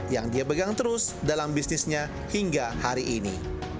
yang dia pegang terus dalam bisnisnya hingga hari ini